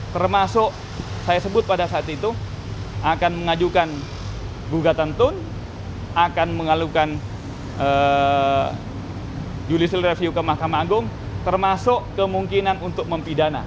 termasuk saya sebut pada saat itu akan mengajukan gugatan tun akan mengalukan judicial review ke mahkamah agung termasuk kemungkinan untuk mempidana